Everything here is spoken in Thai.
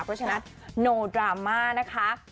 เพราะฉะนั้นโนดราม่านะคะ